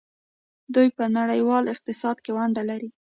دوی په نړیوال اقتصاد کې ونډه لري.